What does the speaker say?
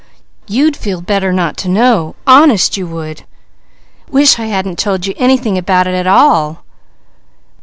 You'd feel better not to know. Honest you would! Wish I hadn't told you anything about it at all.